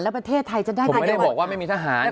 แล้วประเทศไทยจะได้การยกการเกณฑ์ทหาร